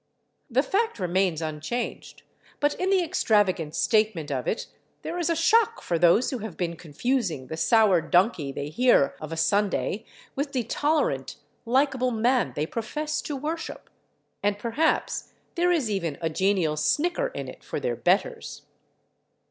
The fact remains unchanged, but in the extravagant statement of it there is a shock for those who have been confusing the sour donkey they hear of a Sunday with the tolerant, likable Man they profess to worship—and perhaps there is even a genial snicker in it for their betters.